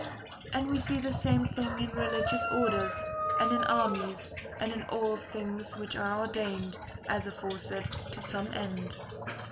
And we see the same [] thing in religious orders, and in armies, and in all things which are ordained, as aforesaid, to some end.